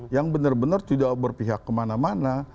yang benar benar tidak berpihak kemana mana